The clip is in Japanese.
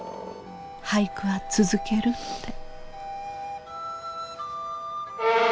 俳句は続けるって。